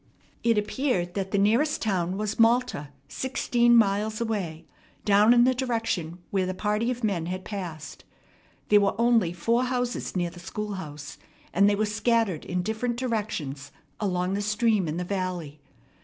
It appeared that the nearest town was Malta, sixteen miles away, down in the direction where the party of men had passed. There were only four houses near the schoolhouse, and they were scattered in different directions along the stream in the valley.